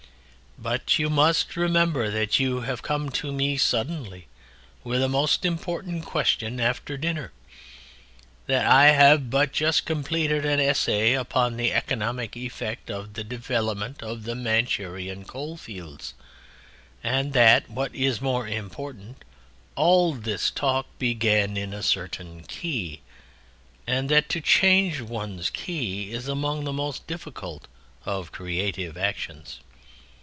But you must remember that you have come to me suddenly with a most important question, after dinner, that I have but just completed an essay upon the economic effect of the development of the Manchurian coalfields, and that (what is more important) all this talk began in a certain key, and that to change one's key is among the most difficult of creative actions....